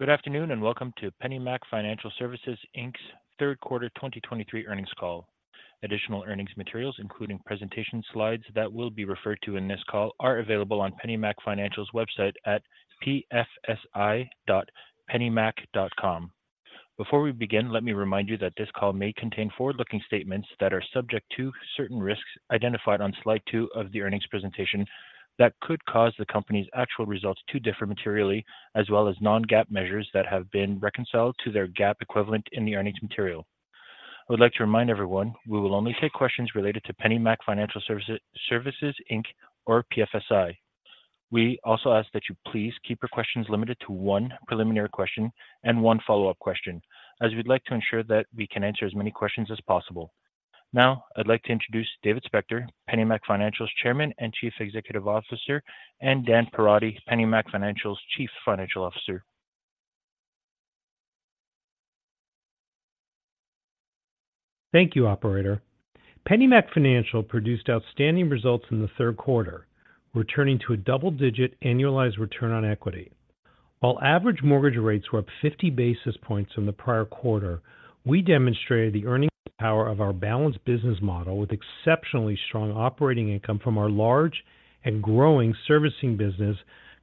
Good afternoon, and welcome to PennyMac Financial Services' third quarter 2023 earnings call. Additional earnings materials, including presentation slides that will be referred to in this call, are available on PennyMac Financial's website at pfsi.pennymac.com. Before we begin, let me remind you that this call may contain forward-looking statements that are subject to certain risks identified on slide 2 of the earnings presentation that could cause the company's actual results to differ materially, as well as non-GAAP measures that have been reconciled to their GAAP equivalent in the earnings material. I would like to remind everyone, we will only take questions related to PennyMac Financial Services, or PFSI. We also ask that you please keep your questions limited to one preliminary question and one follow-up question, as we'd like to ensure that we can answer as many questions as possible. Now, I'd like to introduce David Spector, PennyMac Financial's Chairman and Chief Executive Officer, and Dan Perotti, PennyMac Financial's Chief Financial Officer. Thank you, operator. PennyMac Financial produced outstanding results in the third quarter, returning to a double-digit annualized return on equity. While average mortgage rates were up 50 basis points in the prior quarter, we demonstrated the earnings power of our balanced business model with exceptionally strong operating income from our large and growing servicing business,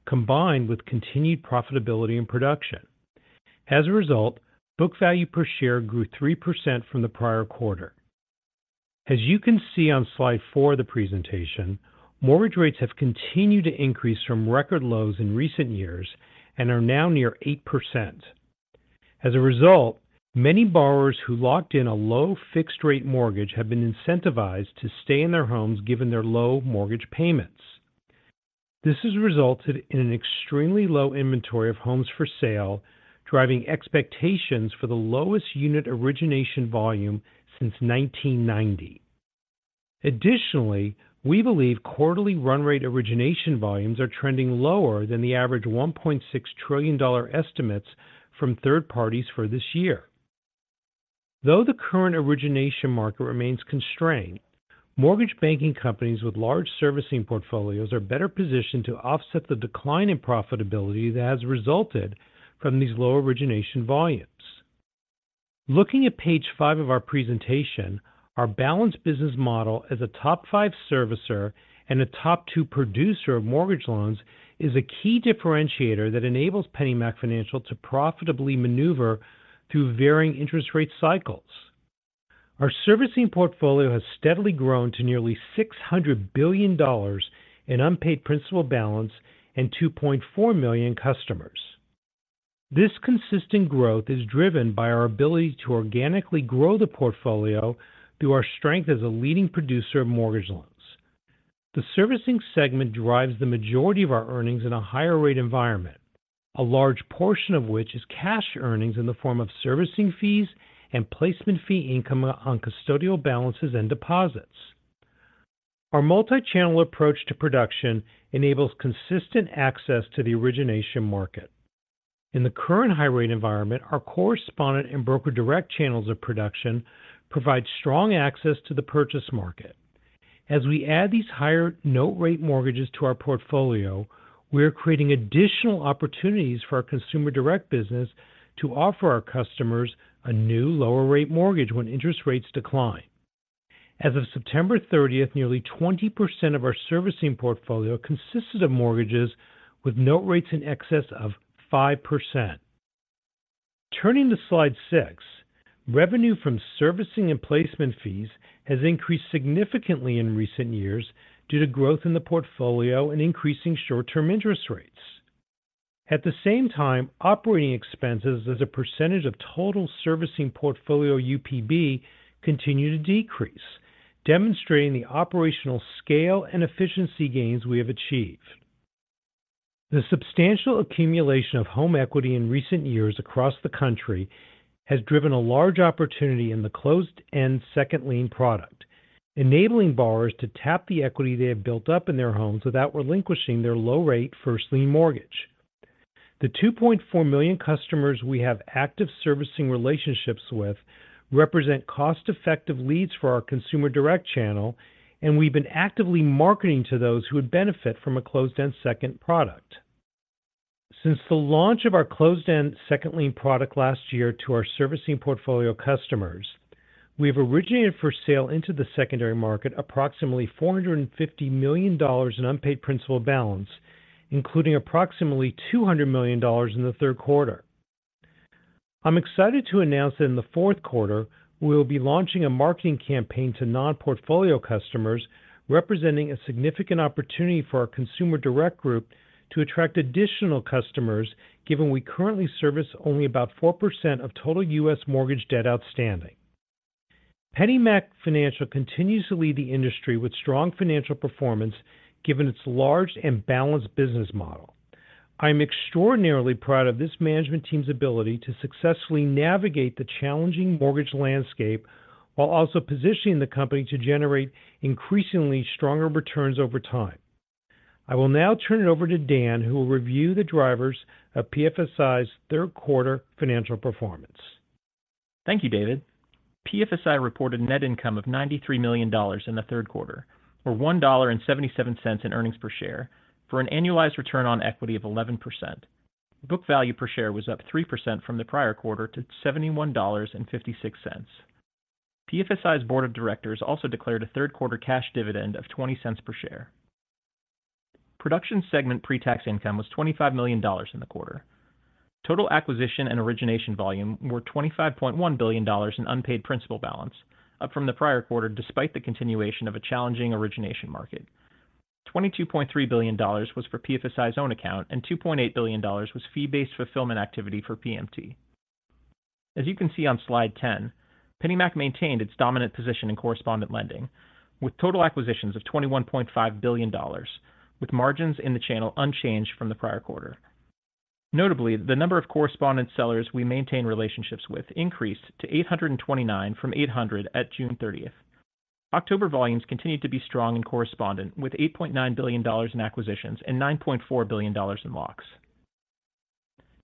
combined with continued profitability and production. As a result, book value per share grew 3% from the prior quarter. As you can see on slide 4 of the presentation, mortgage rates have continued to increase from record lows in recent years and are now near 8%. As a result, many borrowers who locked in a low fixed-rate mortgage have been incentivized to stay in their homes, given their low mortgage payments. This has resulted in an extremely low inventory of homes for sale, driving expectations for the lowest unit origination volume since 1990. Additionally, we believe quarterly run rate origination volumes are trending lower than the average $1.6 trillion estimates from third parties for this year. Though the current origination market remains constrained, mortgage banking companies with large servicing portfolios are better positioned to offset the decline in profitability that has resulted from these low origination volumes. Looking at page 5 of our presentation, our balanced business model as a top 5 servicer and a top 2 producer of mortgage loans is a key differentiator that enables PennyMac Financial to profitably maneuver through varying interest rate cycles. Our servicing portfolio has steadily grown to nearly $600 billion in unpaid principal balance and 2.4 million customers. This consistent growth is driven by our ability to organically grow the portfolio through our strength as a leading producer of mortgage loans. The servicing segment drives the majority of our earnings in a higher rate environment, a large portion of which is cash earnings in the form of servicing fees and placement fee income on custodial balances and deposits. Our multi-channel approach to production enables consistent access to the origination market. In the current high-rate environment, our correspondent and Broker Direct channels of production provide strong access to the purchase market. As we add these higher note rate mortgages to our portfolio, we are creating additional opportunities for our Consumer Direct business to offer our customers a new lower rate mortgage when interest rates decline. As of September thirtieth, nearly 20% of our servicing portfolio consisted of mortgages with note rates in excess of 5%. Turning to slide 6, revenue from servicing and placement fees has increased significantly in recent years due to growth in the portfolio and increasing short-term interest rates. At the same time, operating expenses as a percentage of total servicing portfolio UPB continue to decrease, demonstrating the operational scale and efficiency gains we have achieved. The substantial accumulation of home equity in recent years across the country has driven a large opportunity in the closed-end second lien product, enabling borrowers to tap the equity they have built up in their homes without relinquishing their low-rate first lien mortgage. The 2.4 million customers we have active servicing relationships with represent cost-effective leads for our Consumer Direct channel, and we've been actively marketing to those who would benefit from a closed-end second product. Since the launch of our closed-end second lien product last year to our servicing portfolio customers, we have originated for sale into the secondary market approximately $450 million in unpaid principal balance, including approximately $200 million in the third quarter. I'm excited to announce that in the fourth quarter, we will be launching a marketing campaign to non-portfolio customers, representing a significant opportunity for our Consumer Direct group to attract additional customers, given we currently service only about 4% of total U.S. mortgage debt outstanding. PennyMac Financial continues to lead the industry with strong financial performance, given its large and balanced business model. I'm extraordinarily proud of this management team's ability to successfully navigate the challenging mortgage landscape while also positioning the company to generate increasingly stronger returns over time. I will now turn it over to Dan, who will review the drivers of PFSI's third quarter financial performance. Thank you, David. PFSI reported net income of $93 million in the third quarter, or $1.77 in earnings per share for an annualized return on equity of 11%. Book value per share was up 3% from the prior quarter to $71.56. PFSI's board of directors also declared a third quarter cash dividend of $0.20 per share. Production segment pre-tax income was $25 million in the quarter. Total acquisition and origination volume were $25.1 billion in unpaid principal balance, up from the prior quarter, despite the continuation of a challenging origination market. $22.3 billion was for PFSI's own account, and $2.8 billion was fee-based fulfillment activity for PMT. As you can see on slide 10, PennyMac maintained its dominant position in correspondent lending, with total acquisitions of $21.5 billion, with margins in the channel unchanged from the prior quarter. Notably, the number of correspondent sellers we maintain relationships with increased to 829 from 800 at June thirtieth. October volumes continued to be strong in correspondent, with $8.9 billion in acquisitions and $9.4 billion in locks.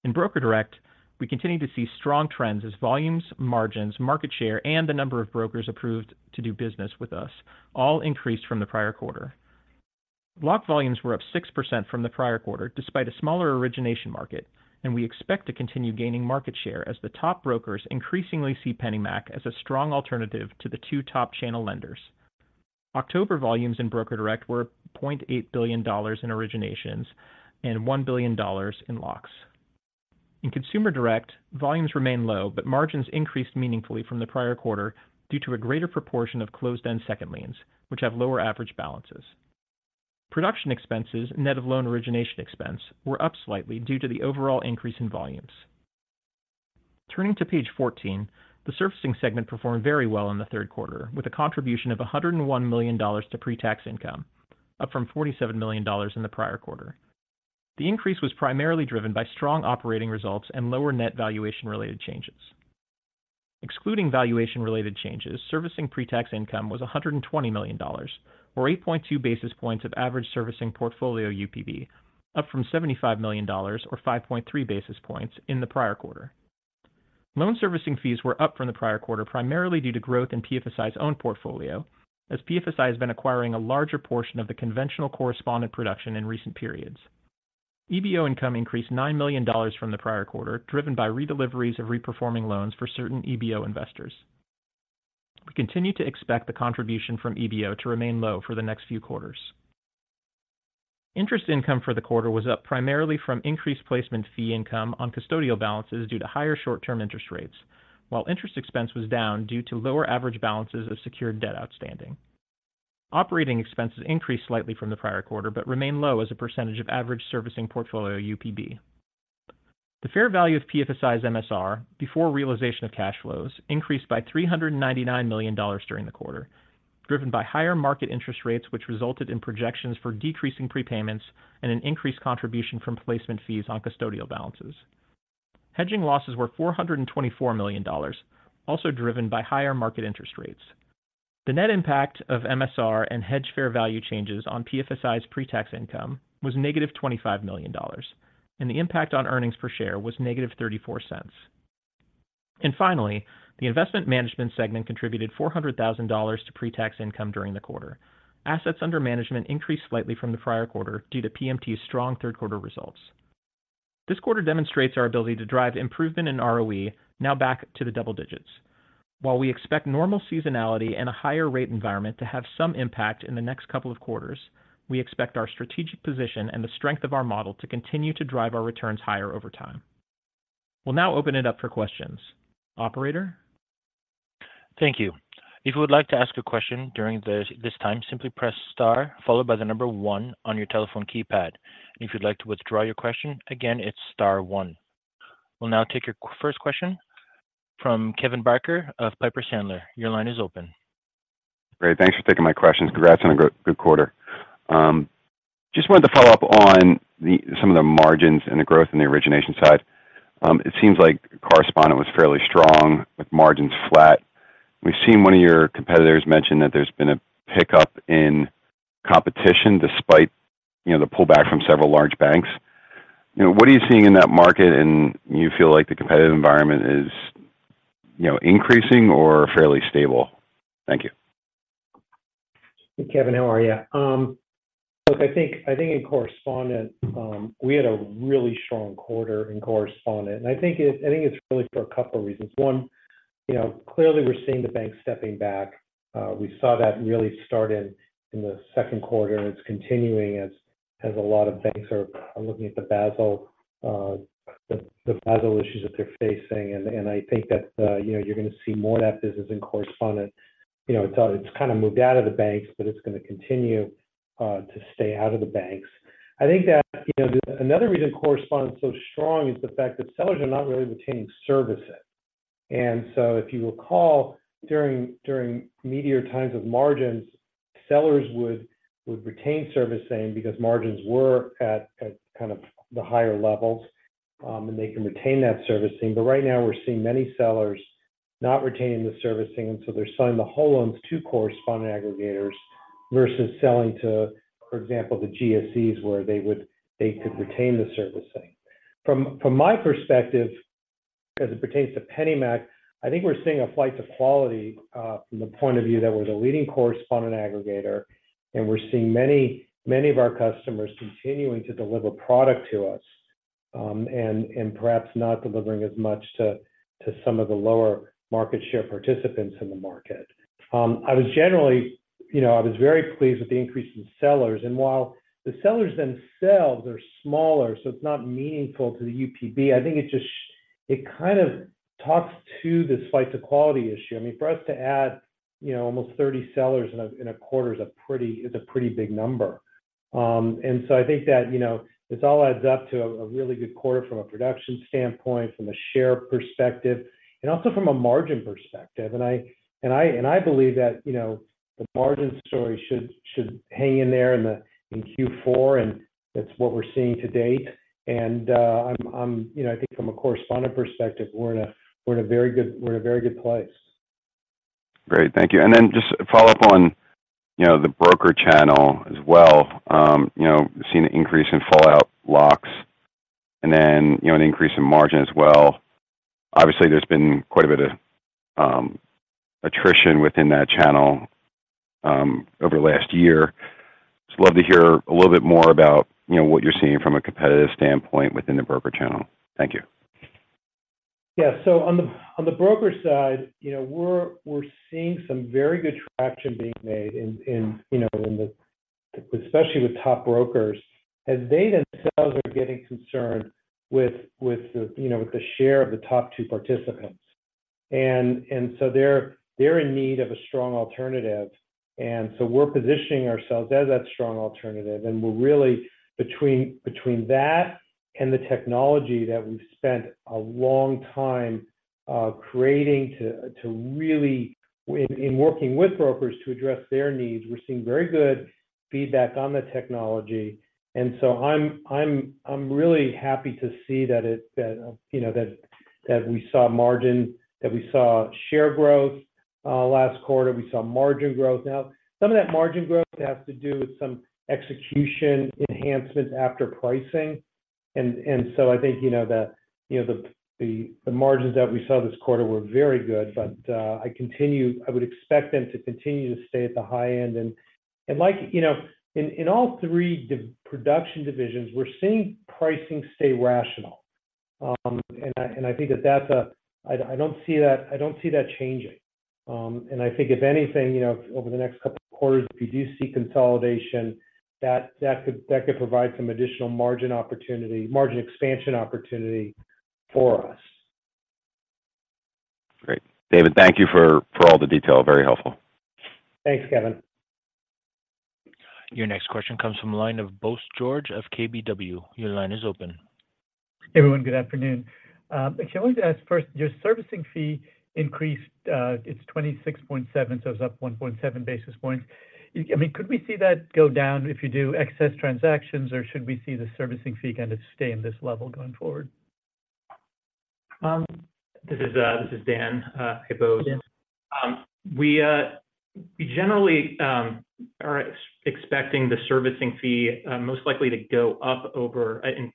In Broker Direct, we continued to see strong trends as volumes, margins, market share, and the number of brokers approved to do business with us all increased from the prior quarter. Lock volumes were up 6% from the prior quarter, despite a smaller origination market, and we expect to continue gaining market share as the top brokers increasingly see PennyMac as a strong alternative to the two top channel lenders. October volumes in Broker Direct were $0.8 billion in originations and $1 billion in locks. In Consumer Direct, volumes remain low, but margins increased meaningfully from the prior quarter due to a greater proportion of closed-end second liens, which have lower average balances. Production expenses, net of loan origination expense, were up slightly due to the overall increase in volumes. Turning to page 14, the servicing segment performed very well in the third quarter, with a contribution of $101 million to pre-tax income, up from $47 million in the prior quarter. The increase was primarily driven by strong operating results and lower net valuation-related changes. Excluding valuation-related changes, servicing pre-tax income was $120 million, or 8.2 basis points of average servicing portfolio UPB, up from $75 million, or 5.3 basis points in the prior quarter. Loan servicing fees were up from the prior quarter, primarily due to growth in PFSI's own portfolio, as PFSI has been acquiring a larger portion of the conventional correspondent production in recent periods. EBO income increased $9 million from the prior quarter, driven by redeliveries of reperforming loans for certain EBO investors. We continue to expect the contribution from EBO to remain low for the next few quarters. Interest income for the quarter was up primarily from increased placement fee income on custodial balances due to higher short-term interest rates, while interest expense was down due to lower average balances of secured debt outstanding. Operating expenses increased slightly from the prior quarter, but remain low as a percentage of average servicing portfolio UPB. The fair value of PFSI's MSR, before realization of cash flows, increased by $399 million during the quarter, driven by higher market interest rates, which resulted in projections for decreasing prepayments and an increased contribution from placement fees on custodial balances. Hedging losses were $424 million, also driven by higher market interest rates. The net impact of MSR and hedge fair value changes on PFSI's pre-tax income was -$25 million, and the impact on earnings per share was -$0.34. Finally, the investment management segment contributed $400,000 to pre-tax income during the quarter. Assets under management increased slightly from the prior quarter due to PMT's strong third quarter results. This quarter demonstrates our ability to drive improvement in ROE now back to the double digits. While we expect normal seasonality and a higher rate environment to have some impact in the next couple of quarters, we expect our strategic position and the strength of our model to continue to drive our returns higher over time. We'll now open it up for questions. Operator? Thank you. If you would like to ask a question during this time, simply press star followed by the number one on your telephone keypad. If you'd like to withdraw your question, again, it's star one. We'll now take your first question from Kevin Barker of Piper Sandler. Your line is open. Great. Thanks for taking my questions. Congrats on a good, good quarter. Just wanted to follow up on some of the margins and the growth in the origination side. It seems like correspondent was fairly strong, with margins flat. We've seen one of your competitors mention that there's been a pickup in competition despite, you know, the pullback from several large banks. You know, what are you seeing in that market, and do you feel like the competitive environment is, you know, increasing or fairly stable? Thank you. Hey, Kevin, how are you? Look, I think in correspondent, we had a really strong quarter in correspondent, and I think it's really for a couple reasons. One, you know, clearly we're seeing the banks stepping back. We saw that really started in the second quarter, and it's continuing as a lot of banks are looking at the Basel, the Basel issues that they're facing. I think that, you know, you're going to see more of that business in correspondent. You know, it's kind of moved out of the banks, but it's going to continue to stay out of the banks. I think that, you know, another reason correspondent is so strong is the fact that sellers are not really retaining servicing. If you recall, during meatier times of margins, sellers would retain servicing because margins were at kind of the higher levels, and they can retain that servicing. Right now, we're seeing many sellers not retaining the servicing, and so they're selling the whole loans to correspondent aggregators versus selling to, for example, the GSEs, where they could retain the servicing. From my perspective, as it pertains to PennyMac, I think we're seeing a flight to quality, from the point of view that we're the leading correspondent aggregator, and we're seeing many, many of our customers continuing to deliver product to us, and perhaps not delivering as much to some of the lower market share participants in the market. I was generally, you know, I was very pleased with the increase in sellers. While the sellers themselves are smaller, so it's not meaningful to the UPB, I think it just kind of talks to this flight to quality issue. I mean, for us to add, you know, almost 30 sellers in a quarter is a pretty, is a pretty big number. I think that, you know, this all adds up to a really good quarter from a production standpoint, from a share perspective, and also from a margin perspective. I believe that, you know, the margin story should hang in there in Q4, and that's what we're seeing to date. I'm, you know, I think from a correspondent perspective, we're in a very good, we're in a very good place. Great. Thank you. And then just to follow up on, you know, the broker channel as well. You know, we've seen an increase in fallout locks, and then, you know, an increase in margin as well. Obviously, there's been quite a bit of attrition within that channel over the last year. Just love to hear a little bit more about, you know, what you're seeing from a competitive standpoint within the broker channel. Thank you. Yeah. So on the broker side, you know, we're seeing some very good traction being made in, you know, especially with top brokers, as they themselves are getting concerned with, you know, with the share of the top two participants. And so they're in need of a strong alternative, and so we're positioning ourselves as that strong alternative. And we're really between that and the technology that we've spent a long time creating to really... In working with brokers to address their needs, we're seeing very good feedback on the technology. And so I'm really happy to see that, you know, that we saw margin- that we saw share growth last quarter. We saw margin growth. Now, some of that margin growth has to do with some execution enhancements after pricing. And so I think, you know, the margins that we saw this quarter were very good, but I continue—I would expect them to continue to stay at the high end. And like, you know, in all three production divisions, we're seeing pricing stay rational. And I think that's—I don't see that changing. And I think if anything, you know, over the next couple of quarters, if we do see consolidation, that could provide some additional margin opportunity, margin expansion opportunity for us. Great. David, thank you for all the detail. Very helpful. Thanks, Kevin. Your next question comes from the line of Bose George of KBW. Your line is open. Hey, everyone, good afternoon. I wanted to ask first, your servicing fee increased, it's 26.7, so it's up 1.7 basis points. I mean, could we see that go down if you do excess transactions, or should we see the servicing fee kind of stay in this level going forward? This is Dan. Hey, Bose. Hi, Dan. We generally are expecting the servicing fee, most likely to go up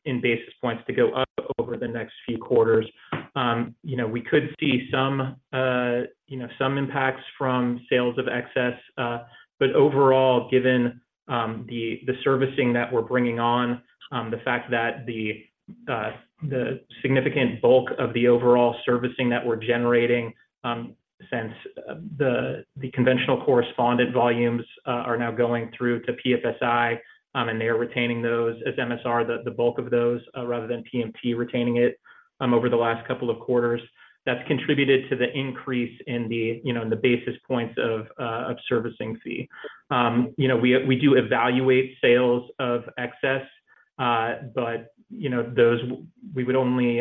in basis points, to go up over the next few quarters. You know, we could see some, you know, some impacts from sales of excess. Overall, given the servicing that we're bringing on, the fact that the significant bulk of the overall servicing that we're generating, since the conventional correspondent volumes are now going through to PFSI, and they are retaining those as MSR, the bulk of those, rather than PMT retaining it, over the last couple of quarters, that's contributed to the increase in the basis points of servicing fee. You know, we do evaluate sales of excess, but, you know, those we would only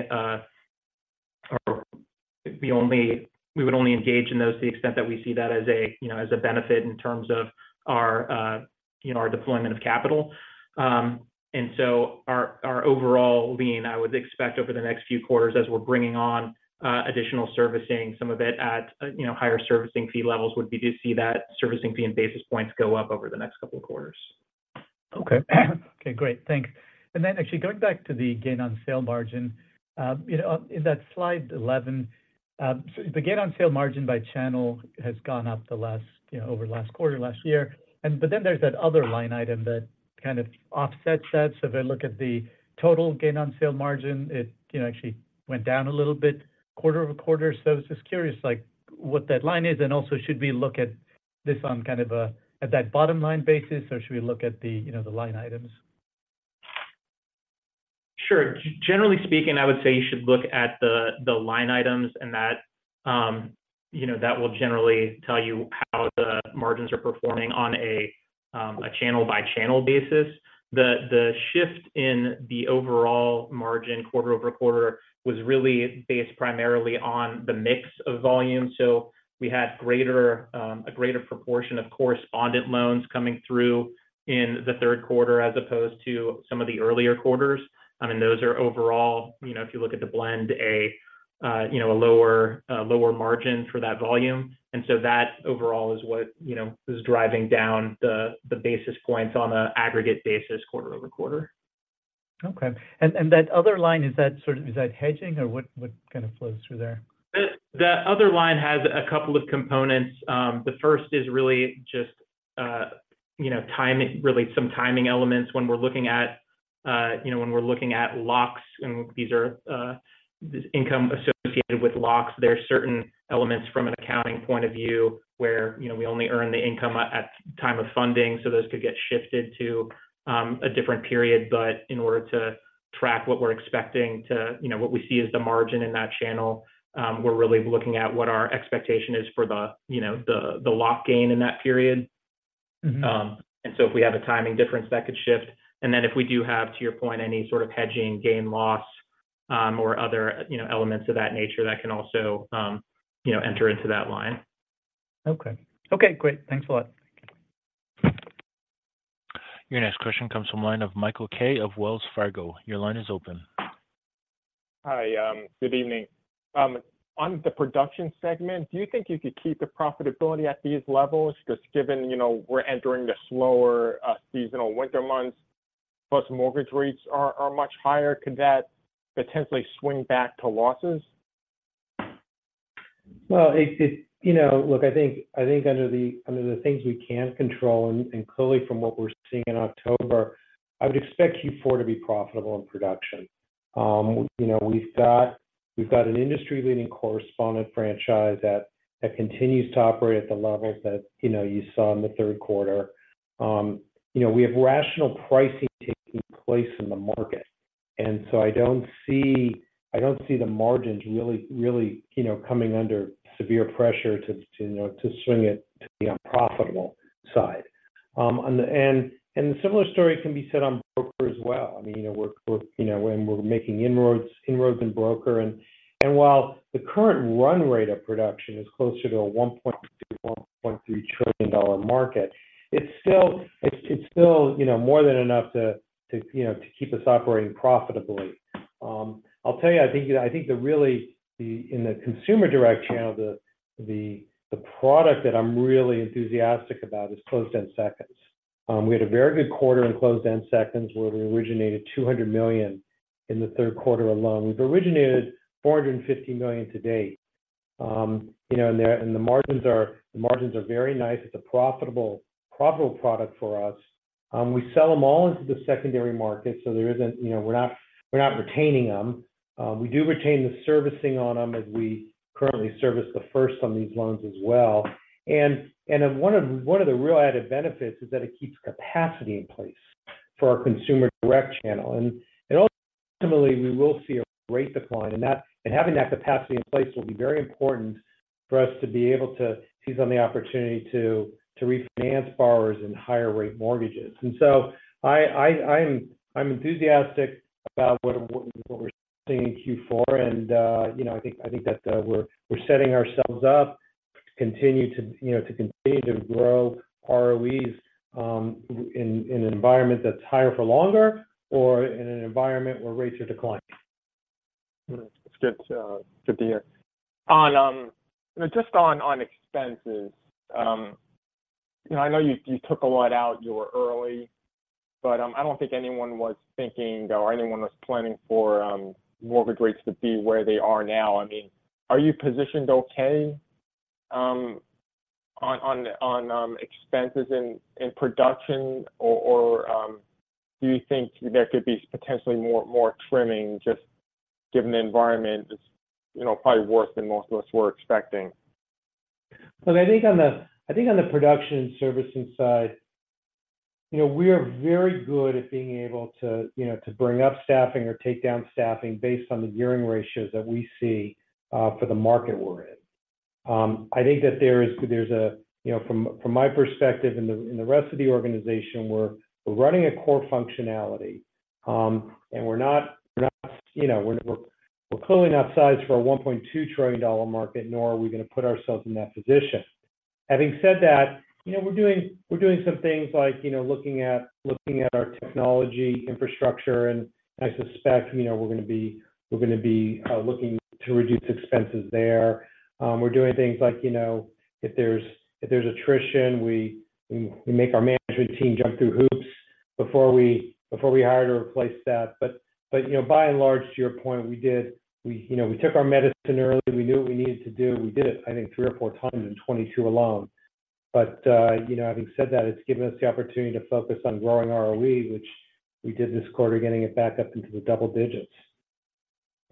engage in to the extent that we see that as a, you know, as a benefit in terms of our, you know, our deployment of capital. And so our overall lean, I would expect over the next few quarters as we're bringing on additional servicing, some of it at, you know, higher servicing fee levels, would be to see that servicing fee and basis points go up over the next couple of quarters. Okay. Okay, great. Thanks. Actually, going back to the gain on sale margin, you know, in that slide eleven, you know, the gain on sale margin by channel has gone up the last, you know, over the last quarter, last year. There's that other line item that kind of offsets that. If I look at the total gain on sale margin, it, you know, actually went down a little bit quarter-over-quarter. I was just curious, like, what that line is, and also, should we look at this on kind of, at that bottom-line basis, or should we look at the, you know, the line items? Sure. Generally speaking, I would say you should look at the line items, and that, you know, that will generally tell you how the margins are performing on a channel-by-channel basis. The shift in the overall margin quarter-over-quarter was really based primarily on the mix of volume. So we had greater, a greater proportion of correspondent loans coming through in the third quarter as opposed to some of the earlier quarters. I mean, those are overall, you know, if you look at the blend, a lower margin for that volume. And so that overall is what, you know, is driving down the basis points on an aggregate basis quarter-over-quarter. Okay. And that other line, is that sort of- is that hedging or what, what kind of flows through there? The other line has a couple of components. The first is really just, you know, timing, really some timing elements when we're looking at, you know, when we're looking at locks, and these are the income associated with locks. There are certain elements from an accounting point of view, where, you know, we only earn the income at time of funding, so those could get shifted to a different period. But in order to track what we're expecting to... You know, what we see as the margin in that channel, we're really looking at what our expectation is for the, you know, the lock gain in that period. Mm-hmm. And so if we have a timing difference, that could shift. And then if we do have, to your point, any sort of hedging, gain, loss, or other, you know, elements of that nature, that can also, you know, enter into that line. Okay. Okay, great. Thanks a lot. Your next question comes from line of Michael Kaye of Wells Fargo. Your line is open. Hi, good evening. On the production segment, do you think you could keep the profitability at these levels? Because given, you know, we're entering the slower, seasonal winter months, plus mortgage rates are much higher, could that potentially swing back to losses? You know, look, I think, I think under the things we can control and clearly from what we're seeing in October, I would expect Q4 to be profitable in production. You know, we've got, we've got an industry-leading correspondent franchise that continues to operate at the levels that you know you saw in the third quarter. You know, we have rational pricing taking place in the market, and so I don't see, I don't see the margins really, really you know coming under severe pressure to you know to swing it to the unprofitable side. On the- and a similar story can be said on broker as well. I mean, you know, we're, we're you know and we're making inroads, inroads in broker. While the current run rate of production is closer to a $1.2-$1.3 trillion market, it's still, you know, more than enough to, you know, to keep us operating profitably. I'll tell you, I think the really, in the Consumer Direct channel, the product that I'm really enthusiastic about is closed-end seconds. We had a very good quarter in closed-end seconds, where we originated $200 million in the third quarter alone. We've originated $450 million to date. You know, and the margins are, the margins are very nice. It's a profitable, profitable product for us. We sell them all into the secondary market, so there isn't, you know, we're not, we're not retaining them. We do retain the servicing on them as we currently service the first on these loans as well. And one of the real added benefits is that it keeps capacity in place for our Consumer Direct channel. And ultimately, we will see a rate decline, and having that capacity in place will be very important for us to be able to seize on the opportunity to refinance borrowers in higher rate mortgages. And so I'm enthusiastic about what we're seeing in Q4, and you know, I think that we're setting ourselves up to continue to, you know, to continue to grow ROEs in an environment that's higher for longer or in an environment where rates are declining. That's good, good to hear. On, just on, on expenses, you know, I know you took a lot out. You were early, but I don't think anyone was thinking or anyone was planning for mortgage rates to be where they are now. I mean, are you positioned okay, on, on, on expenses in production, or do you think there could be potentially more, more trimming, just given the environment is, you know, probably worse than most of us were expecting? Look, I think on the, I think on the production and servicing side, you know, we are very good at being able to, you know, to bring up staffing or take down staffing based on the gearing ratios that we see for the market we're in. I think that there is- there's a... You know, from, from my perspective and the, and the rest of the organization, we're, we're running a core functionality, and we're not, we're not, you know, we're, we're clearly not sized for a $1.2 trillion market, nor are we going to put ourselves in that position. Having said that, you know, we're doing, we're doing some things like, you know, looking at, looking at our technology infrastructure, and I suspect, you know, we're going to be, we're going to be looking to reduce expenses there. We're doing things like, you know, if there's attrition, we make our management team jump through hoops before we hire to replace that. But you know, by and large, to your point, we took our medicine early. We knew what we needed to do, and we did it, I think, 3 or 4 times in 2022 alone. But you know, having said that, it's given us the opportunity to focus on growing ROE, which we did this quarter, getting it back up into the double digits.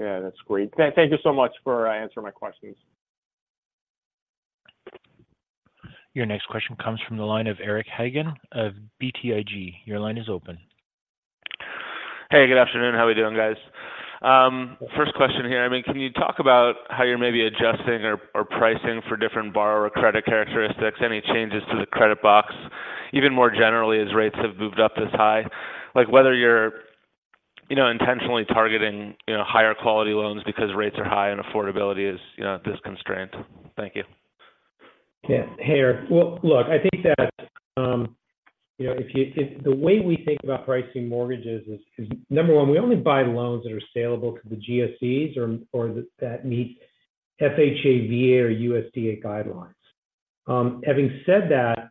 Yeah, that's great. Thank you so much for answering my questions. Your next question comes from the line of Eric Hagen of BTIG. Your line is open. Hey, good afternoon. How we doing, guys? First question here. I mean, can you talk about how you're maybe adjusting or pricing for different borrower credit characteristics, any changes to the credit box, even more generally, as rates have moved up this high? Like, whether you're, you know, intentionally targeting, you know, higher quality loans because rates are high and affordability is, you know, this constraint. Thank you.... Yeah. Hey, Eric. Well, look, I think that, you know, if the way we think about pricing mortgages is number one, we only buy loans that are saleable to the GSEs or that meet FHA, VA, or USDA guidelines. Having said that,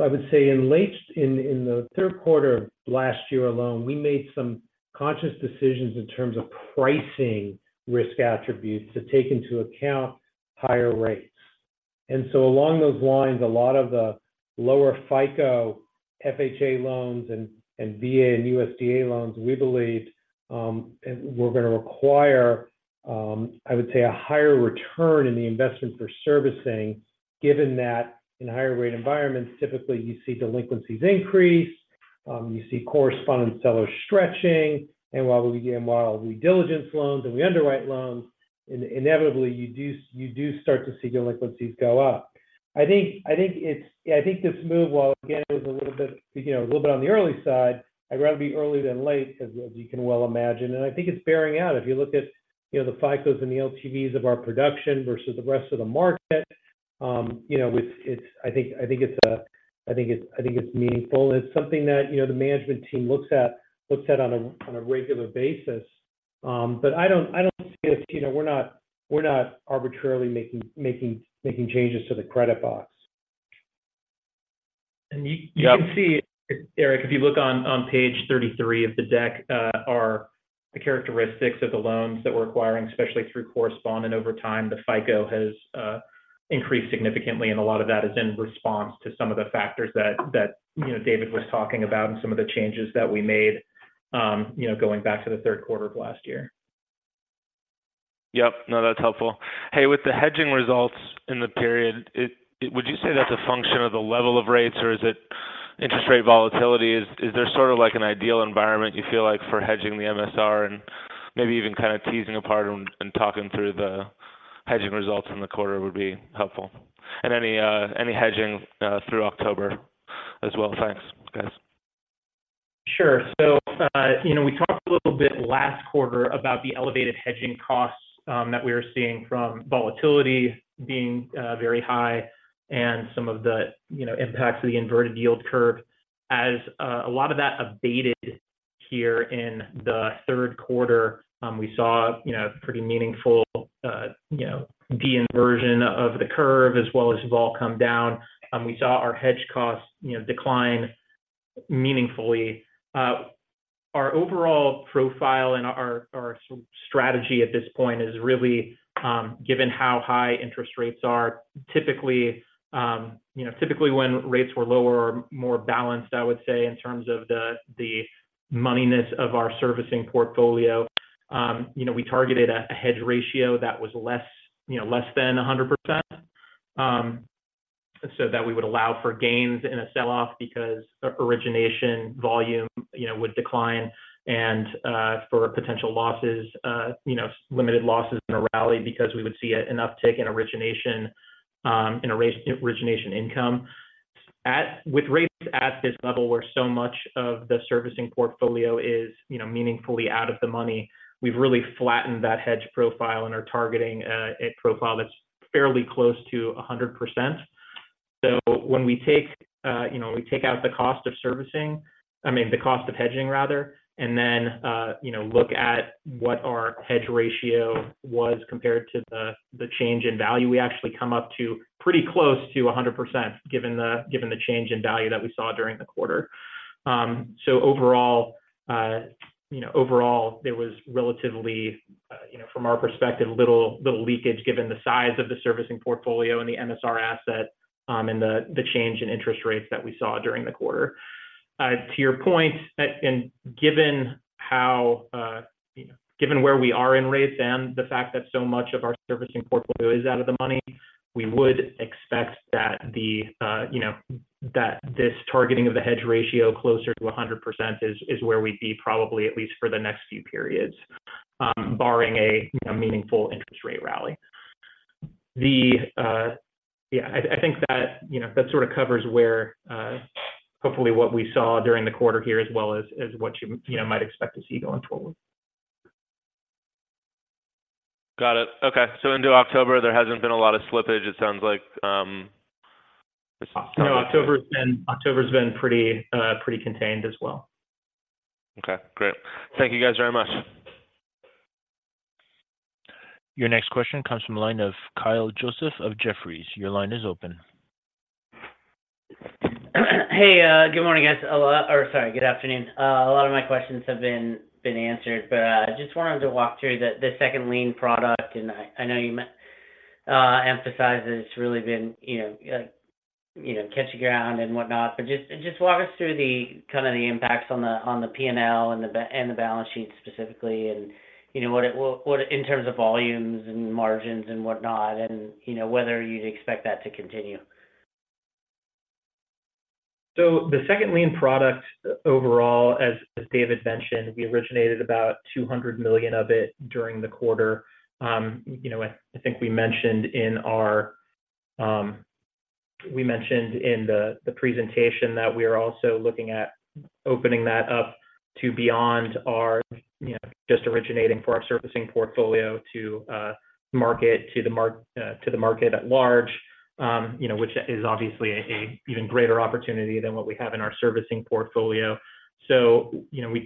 I would say late in the third quarter of last year alone, we made some conscious decisions in terms of pricing risk attributes to take into account higher rates. And so along those lines, a lot of the lower FICO FHA loans and VA and USDA loans, we believe and we're gonna require, I would say, a higher return in the investment for servicing, given that in higher rate environments, typically you see delinquencies increase, you see correspondent sellers stretching. While we gain, while we diligence loans and we underwrite loans, inevitably, you do, you do start to see delinquencies go up. I think, I think it's. Yeah, I think this move, while again, is a little bit, you know, a little bit on the early side, I'd rather be early than late, as, as you can well imagine. And I think it's bearing out. If you look at, you know, the FICOs and the LTVs of our production versus the rest of the market, you know, it's, it's I think, I think it's. I think it's meaningful. And it's something that, you know, the management team looks at, looks at on a, on a regular basis. But I don't, I don't see it, you know, we're not, we're not arbitrarily making, making, making changes to the credit box. You can see- Yeah. Eric, if you look on page 33 of the deck, are the characteristics of the loans that we're acquiring, especially through correspondent over time, the FICO has increased significantly, and a lot of that is in response to some of the factors that you know David was talking about and some of the changes that we made, you know, going back to the third quarter of last year. Yep. No, that's helpful. Hey, with the hedging results in the period, would you say that's a function of the level of rates, or is it interest rate volatility? Is there sort of like an ideal environment you feel like for hedging the MSR? And maybe even kind of teasing apart and talking through the hedging results in the quarter would be helpful. And any hedging through October as well. Thanks, guys. Sure. So, you know, we talked a little bit last quarter about the elevated hedging costs that we were seeing from volatility being very high and some of the, you know, impacts of the inverted yield curve. As a lot of that abated here in the third quarter, we saw, you know, pretty meaningful, you know, de-inversion of the curve as well as vol come down. We saw our hedge costs, you know, decline meaningfully. Our overall profile and our strategy at this point is really given how high interest rates are. Typically, you know, typically when rates were lower or more balanced, I would say, in terms of the moneyness of our servicing portfolio, you know, we targeted a hedge ratio that was less, you know, less than 100%, so that we would allow for gains in a sell-off because origination volume, you know, would decline and for potential losses, you know, limited losses in a rally because we would see an uptick in origination, origination income. With rates at this level, where so much of the servicing portfolio is, you know, meaningfully out of the money, we've really flattened that hedge profile and are targeting a profile that's fairly close to 100%. So when we take, you know, we take out the cost of servicing—I mean, the cost of hedging, rather, and then, you know, look at what our hedge ratio was compared to the, the change in value, we actually come up to pretty close to 100%, given the, given the change in value that we saw during the quarter. So overall, you know, overall, there was relatively, you know, from our perspective, little, little leakage, given the size of the servicing portfolio and the MSR asset, and the, the change in interest rates that we saw during the quarter. To your point, and given how, you know, given where we are in rates and the fact that so much of our servicing portfolio is out of the money, we would expect that the, you know, that this targeting of the hedge ratio closer to 100% is, is where we'd be probably at least for the next few periods, barring a, you know, meaningful interest rate rally. The... Yeah, I, I think that, you know, that sort of covers where, hopefully what we saw during the quarter here, as well as, as what you, you know, might expect to see going forward. Got it. Okay. So into October, there hasn't been a lot of slippage, it sounds like, this- No, October's been, October's been pretty, pretty contained as well. Okay, great. Thank you, guys, very much. Your next question comes from the line of Kyle Joseph of Jefferies. Your line is open. Hey, good morning, guys. A lot—sorry, good afternoon. A lot of my questions have been answered, but I just wanted to walk through the second lien product, and I know you emphasized that it's really been, you know, catching ground and whatnot. Just walk us through the impacts on the PNL and the balance sheet specifically, and you know, what it, what, what in terms of volumes and margins and whatnot, and you know, whether you'd expect that to continue. So the second lien product, overall, as David mentioned, we originated about $200 million of it during the quarter. You know, I think we mentioned in our presentation that we are also looking at opening that up to beyond our, you know, just originating for our servicing portfolio to the market at large, you know, which is obviously an even greater opportunity than what we have in our servicing portfolio. So, you know, we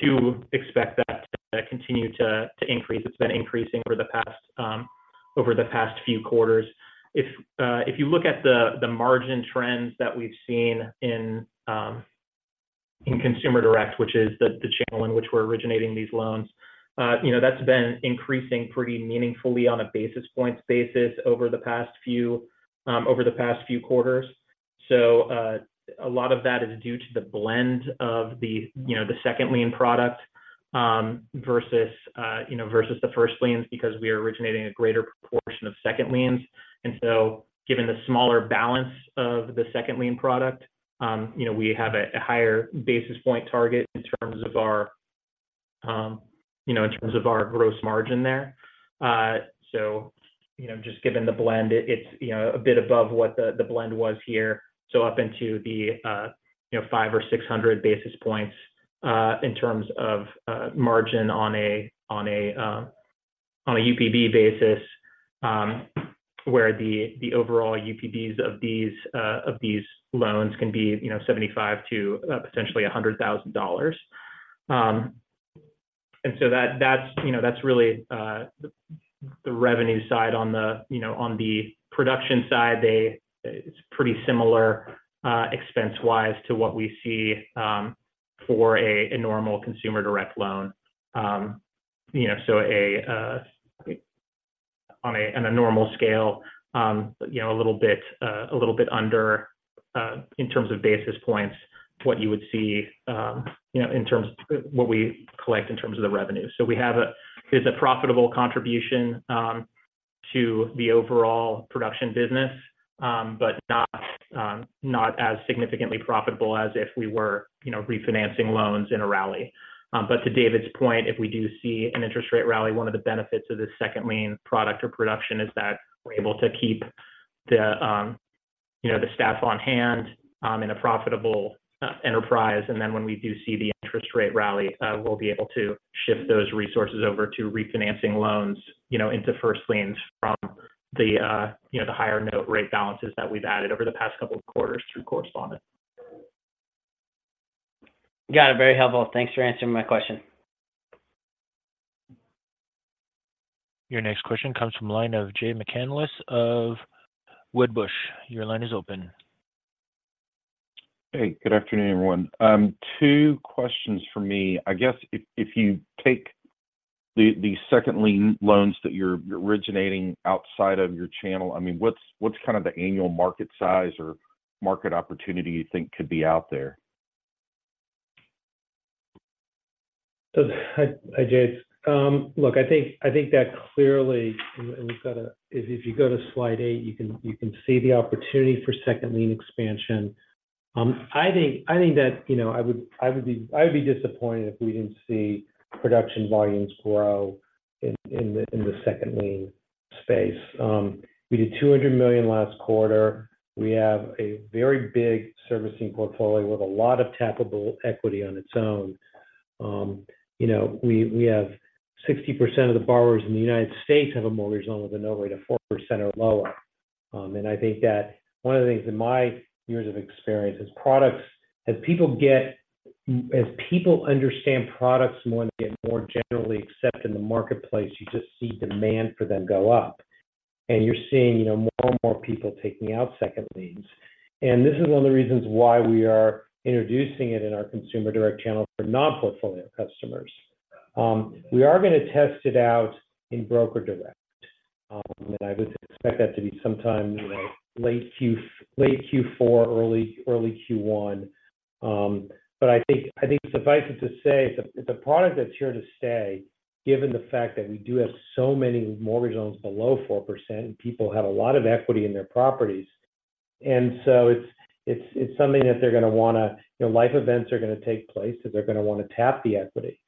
do expect that to continue to increase. It's been increasing over the past few quarters. If you look at the margin trends that we've seen in consumer direct, which is the channel in which we're originating these loans, you know, that's been increasing pretty meaningfully on a basis points basis over the past few quarters. A lot of that is due to the blend of the, you know, the second lien product versus, you know, versus the first liens, because we are originating a greater proportion of second liens. Given the smaller balance of the second lien product, you know, we have a higher basis point target in terms of our, you know, in terms of our gross margin there. You know, just given the blend, it's, you know, a bit above what the blend was here. Up into the, you know, 500 or 600 basis points, in terms of margin on a UPB basis, where the overall UPBs of these loans can be, you know, $75,000 to potentially $100,000. That's, you know, that's really the revenue side on the... You know, on the production side, it's pretty similar, expense-wise to what we see for a normal Consumer Direct loan. You know, on a normal scale, you know, a little bit under, in terms of basis points, what you would see, you know, in terms of what we collect in terms of the revenue. So we have, it's a profitable contribution to the overall production business, but not as significantly profitable as if we were, you know, refinancing loans in a rally. But to David's point, if we do see an interest rate rally, one of the benefits of this second lien product or production is that we're able to keep the, you know, the staff on hand in a profitable enterprise. And then when we do see the interest rate rally, we'll be able to shift those resources over to refinancing loans, you know, into first liens from the, you know, the higher note rate balances that we've added over the past couple of quarters through correspondent. Got it. Very helpful. Thanks for answering my question. Your next question comes from the line of Jay McCanless of Wedbush. Your line is open. Hey, good afternoon, everyone. Two questions for me. I guess if you take the second lien loans that you're originating outside of your channel, I mean, what's kind of the annual market size or market opportunity you think could be out there? So, hi, hi, James. Look, I think that clearly, and we've got a—if you go to slide 8, you can see the opportunity for second lien expansion. I think that, you know, I would be disappointed if we didn't see production volumes grow in the second lien space. We did $200 million last quarter. We have a very big servicing portfolio with a lot of tappable equity on its own. You know, we have 60% of the borrowers in the United States have a mortgage loan with a note rate of 4% or lower. And I think that one of the things in my years of experience is products as people understand products more and get more generally accepted in the marketplace, you just see demand for them go up. And you're seeing, you know, more and more people taking out second liens. And this is one of the reasons why we are introducing it in our Consumer Direct channel for non-portfolio customers. We are gonna test it out in Broker Direct, and I would expect that to be sometime, you know, late Q4, early Q1. But I think, I think suffice it to say, it's a, it's a product that's here to stay, given the fact that we do have so many mortgage loans below 4%, and people have a lot of equity in their properties. It's something that they're gonna wanna. You know, life events are gonna take place, so they're gonna wanna tap the equity.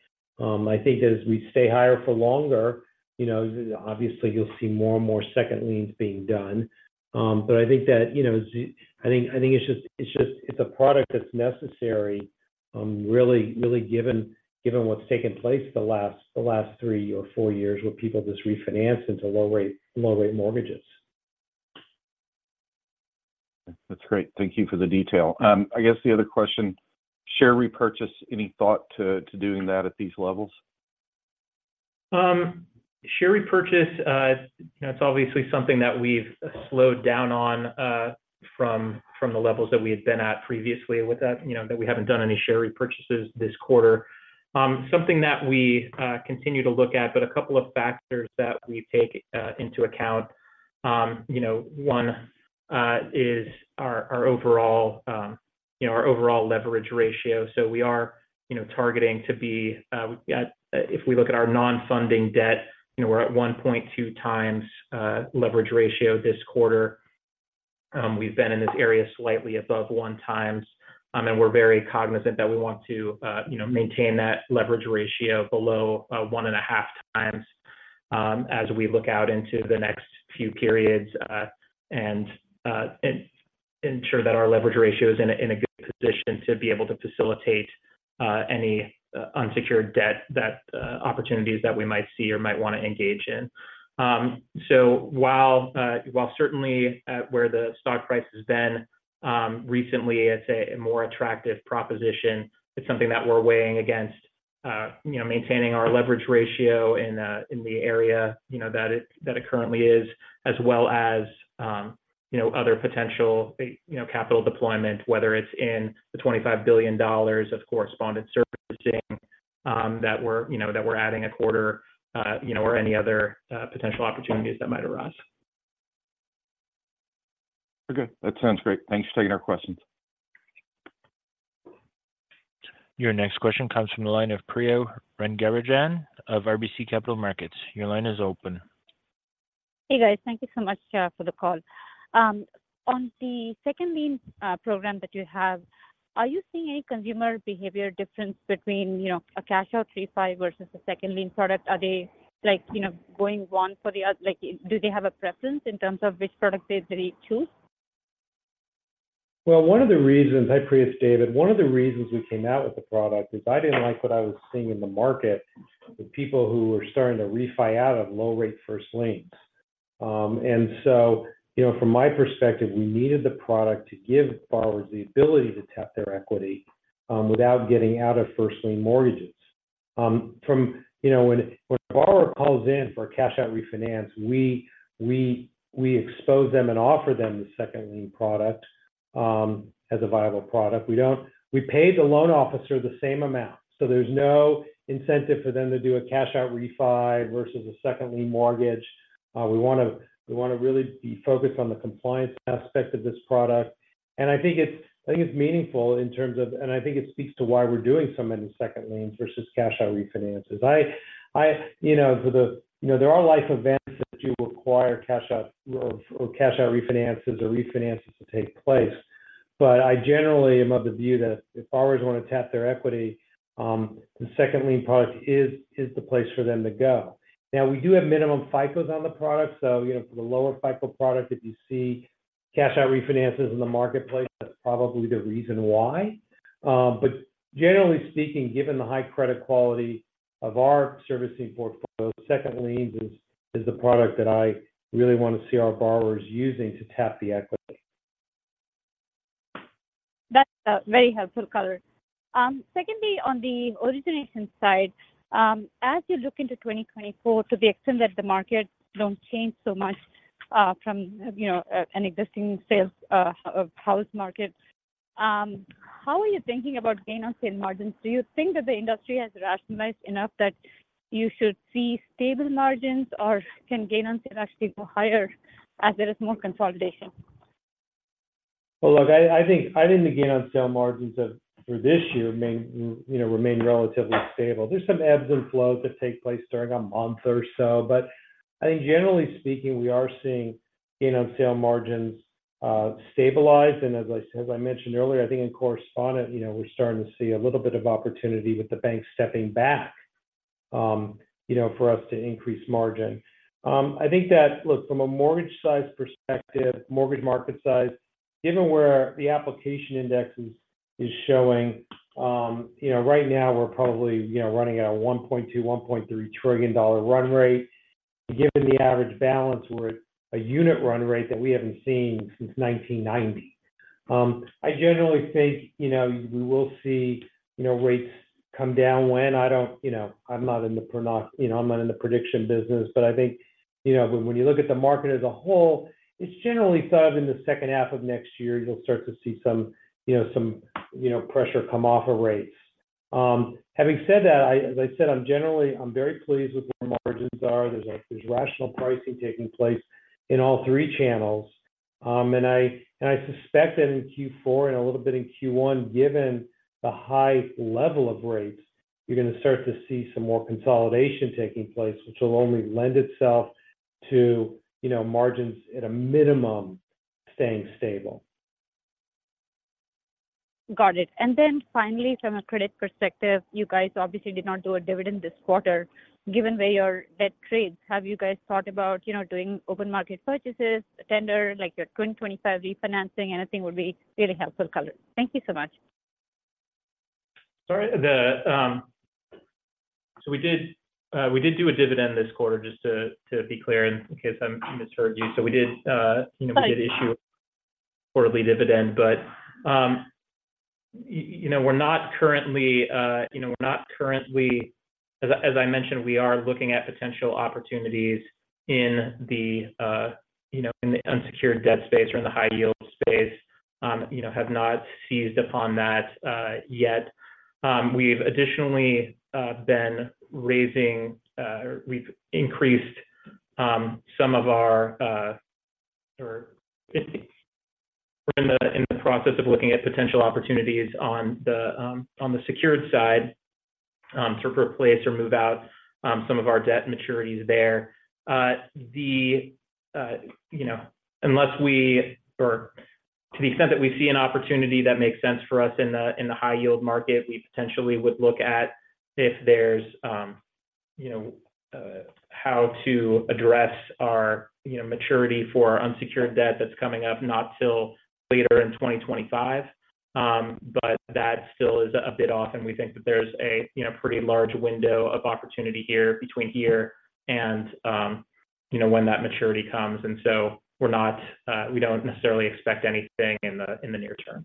I think as we stay higher for longer, you know, obviously, you'll see more and more second liens being done. But I think that, you know, it's just—it's a product that's necessary, really given what's taken place the last three or four years, where people just refinance into low-rate, low-rate mortgages. That's great. Thank you for the detail. I guess the other question, share repurchase, any thought to doing that at these levels? Share repurchase, you know, it's obviously something that we've slowed down on, from the levels that we had been at previously. With that, you know, we haven't done any share repurchases this quarter. Something that we continue to look at, but a couple of factors that we take into account. You know, one is our overall leverage ratio. So we are, you know, targeting to be at. If we look at our non-funding debt, you know, we're at 1.2x leverage ratio this quarter. We've been in this area slightly above 1x, and we're very cognizant that we want to, you know, maintain that leverage ratio below 1.5x. As we look out into the next few periods, and ensure that our leverage ratio is in a good position to be able to facilitate any unsecured debt opportunities that we might see or might want to engage in. So while certainly at where the stock price has been recently, it's a more attractive proposition, it's something that we're weighing against, you know, maintaining our leverage ratio in the area, you know, that it currently is, as well as, you know, other potential capital deployment, whether it's in the $25 billion of correspondent servicing that we're, you know, that we're adding a quarter, you know, or any other potential opportunities that might arise. Okay, that sounds great. Thanks for taking our questions. Your next question comes from the line of Priya Rangarajan of RBC Capital Markets. Your line is open. Hey, guys. Thank you so much for the call. On the second lien program that you have, are you seeing any consumer behavior difference between, you know, a cash-out refi versus a second lien product? Are they, like, you know, going one for the other? Like, do they have a preference in terms of which product they, they choose? Well, one of the reasons— Hi, Priya, it's David. One of the reasons we came out with the product is I didn't like what I was seeing in the market with people who were starting to refi out of low-rate first liens. You know, from my perspective, we needed the product to give borrowers the ability to tap their equity without getting out of first lien mortgages. You know, when a borrower calls in for a cash-out refinance, we expose them and offer them the second lien product as a viable product. We pay the loan officer the same amount, so there's no incentive for them to do a cash-out refi versus a second lien mortgage. We wanna really be focused on the compliance aspect of this product, and I think it's meaningful in terms of and I think it speaks to why we're doing so many second liens versus cash-out refinances. You know, for the, you know, there are life events that do require cash-out or cash-out refinances or refinances to take place, but I generally am of the view that if borrowers want to tap their equity, the second lien product is the place for them to go. Now, we do have minimum FICOs on the product, so, you know, for the lower FICO product, if you see cash-out refinances in the marketplace, that's probably the reason why. But generally speaking, given the high credit quality of our servicing portfolio, second liens is the product that I really want to see our borrowers using to tap the equity. That's a very helpful color. Secondly, on the origination side, as you look into 2024, to the extent that the market don't change so much from, you know, an existing sales of house market, how are you thinking about gain on sale margins? Do you think that the industry has rationalized enough that you should see stable margins, or can gain on sale actually go higher as there is more consolidation? Well, look, I think the gain on sale margins for this year may, you know, remain relatively stable. There's some ebbs and flows that take place during a month or so, but I think generally speaking, we are seeing gain on sale margins stabilize. And as I mentioned earlier, I think in correspondent, you know, we're starting to see a little bit of opportunity with the bank stepping back, you know, for us to increase margin. I think that, look, from a mortgage size perspective, mortgage market size, given where the application index is, is showing, you know, right now we're probably, you know, running at a $1.2-$1.3 trillion run rate. Given the average balance, we're a unit run rate that we haven't seen since 1990. I generally think, you know, we will see, you know, rates come down. You know, I'm not in the prediction business, but I think, you know, when you look at the market as a whole, it's generally thought of in the second half of next year, you'll start to see some, you know, some pressure come off of rates. Having said that, as I said, I'm generally very pleased with where margins are. There's rational pricing taking place in all three channels. And I suspect that in Q4 and a little bit in Q1, given the high level of rates, you're going to start to see some more consolidation taking place, which will only lend itself to, you know, margins at a minimum, staying stable. Got it. And then finally, from a credit perspective, you guys obviously did not do a dividend this quarter. Given where your debt trades, have you guys thought about, you know, doing open market purchases, tender, like your 2025 refinancing? Anything would be really helpful color. Thank you so much. Sorry. So we did, we did do a dividend this quarter, just to, to be clear, in case I misheard you. So we did, you know, we did issue- Sorry... quarterly dividend, but you know, we're not currently, you know, we're not currently. As I mentioned, we are looking at potential opportunities in the, you know, in the unsecured debt space or in the high yield space. You know, have not seized upon that yet. We've additionally been raising, we've increased some of our, or we're in the process of looking at potential opportunities on the secured side to replace or move out some of our debt maturities there. You know, unless we or-... To the extent that we see an opportunity that makes sense for us in the high-yield market, we potentially would look at if there's you know how to address our you know maturity for our unsecured debt that's coming up, not till later in 2025. But that still is a bit off, and we think that there's a you know pretty large window of opportunity here between here and you know when that maturity comes. And so we're not we don't necessarily expect anything in the near term.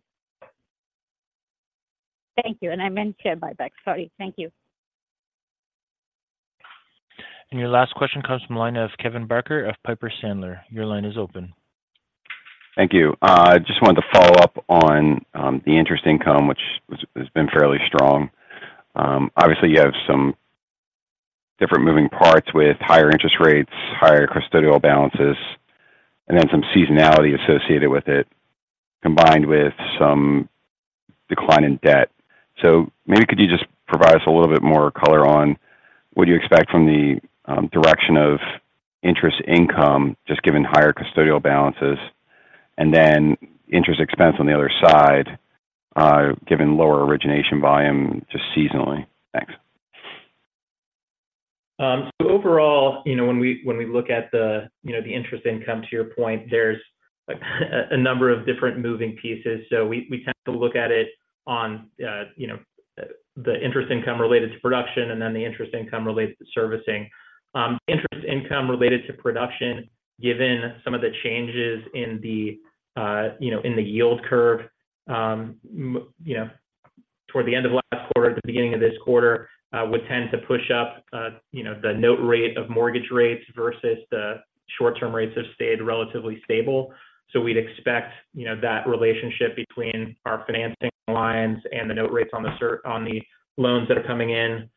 Thank you. I meant share buyback. Sorry. Thank you. Your last question comes from the line of Kevin Barker of Piper Sandler. Your line is open. Thank you. I just wanted to follow up on the interest income, which has been fairly strong. Obviously, you have some different moving parts with higher interest rates, higher custodial balances, and then some seasonality associated with it, combined with some decline in debt. So maybe could you just provide us a little bit more color on what you expect from the direction of interest income, just given higher custodial balances? And then interest expense on the other side, given lower origination volume, just seasonally. Thanks. So overall, you know, when we look at the interest income, to your point, there's a number of different moving pieces. So we tend to look at it on, you know, the interest income related to production and then the interest income related to servicing. Interest income related to production, given some of the changes in the yield curve, you know, toward the end of last quarter, the beginning of this quarter, would tend to push up, you know, the note rate of mortgage rates versus the short-term rates have stayed relatively stable. So we'd expect, you know, that relationship between our financing lines and the note rates on the loans that are coming in,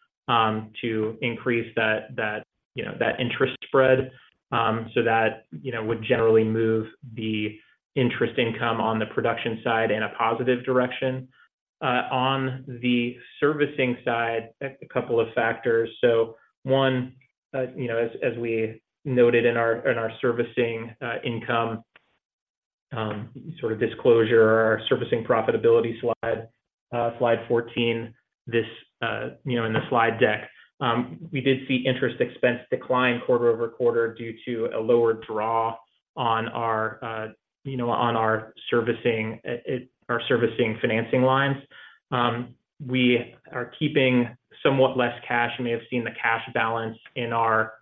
to increase that interest spread. So that, you know, would generally move the interest income on the production side in a positive direction. On the servicing side, a couple of factors. So one, you know, as we noted in our servicing income sort of disclosure or our servicing profitability slide, slide 14, this, you know, in the slide deck, we did see interest expense decline quarter-over-quarter due to a lower draw on our, you know, on our servicing financing lines. We are keeping somewhat less cash. You may have seen the cash balance in our,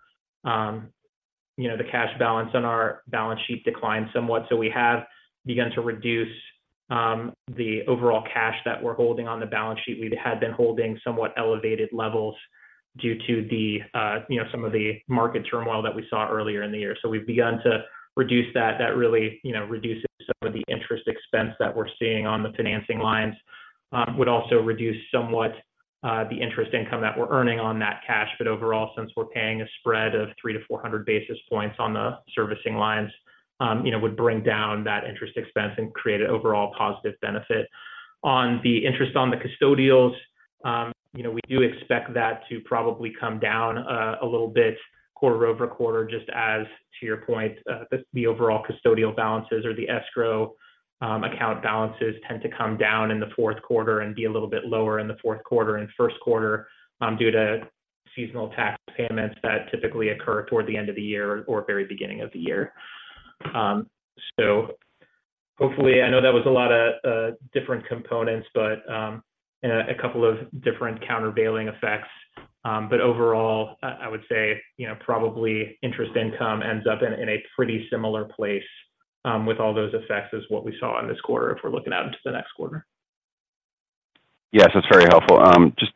the cash balance on our balance sheet decline somewhat. So we have begun to reduce the overall cash that we're holding on the balance sheet. We had been holding somewhat elevated levels due to the, you know, some of the market turmoil that we saw earlier in the year. So we've begun to reduce that. That really, you know, reduces some of the interest expense that we're seeing on the financing lines. Would also reduce somewhat the interest income that we're earning on that cash, but overall, since we're paying a spread of 300-400 basis points on the servicing lines, you know, would bring down that interest expense and create an overall positive benefit. On the interest on the custodials, you know, we do expect that to probably come down a little bit quarter-over-quarter, just as to your point, the overall custodial balances or the escrow account balances tend to come down in the fourth quarter and be a little bit lower in the fourth quarter and first quarter, due to seasonal tax payments that typically occur toward the end of the year or very beginning of the year. So hopefully, I know that was a lot of different components, but a couple of different countervailing effects. But overall, I would say, you know, probably interest income ends up in a pretty similar place with all those effects as what we saw in this quarter, if we're looking out into the next quarter. Yes, that's very helpful. Just,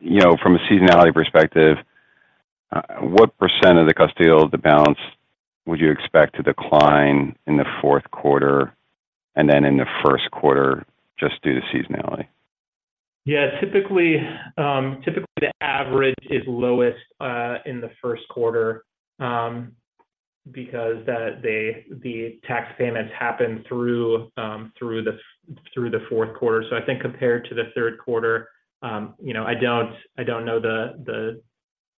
you know, from a seasonality perspective, what percent of the custodial, the balance, would you expect to decline in the fourth quarter and then in the first quarter just due to seasonality? Yeah, typically, the average is lowest in the first quarter because the tax payments happen through the fourth quarter. So I think compared to the third quarter, you know, I don't know the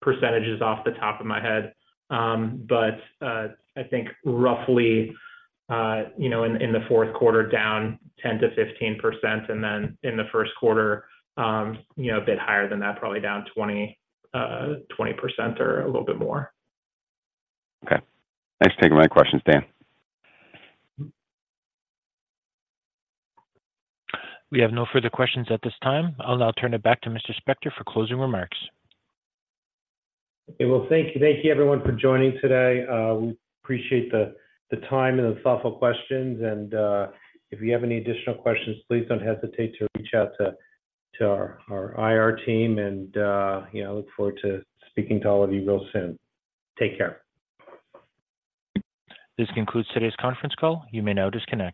percentages off the top of my head, but I think roughly, you know, in the fourth quarter, down 10%-15%, and then in the first quarter, you know, a bit higher than that, probably down 20% or a little bit more. Okay. Thanks for taking my questions, Dan. We have no further questions at this time. I'll now turn it back to Mr. Spector for closing remarks. Well, thank you. Thank you everyone for joining today. We appreciate the time and the thoughtful questions, and if you have any additional questions, please don't hesitate to reach out to our IR team, and you know, look forward to speaking to all of you real soon. Take care. This concludes today's conference call. You may now disconnect.